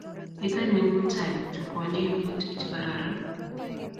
Ikany eng muitaet, pwoni walutik che kararan